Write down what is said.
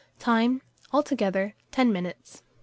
Time. Altogether, 10 minutes.